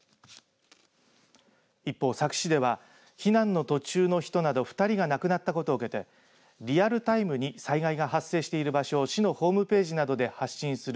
一方、佐久市では避難の途中の人など２人が亡くなったことを受けてリアルタイムに災害が発生している場所を市のホームページなどで発信する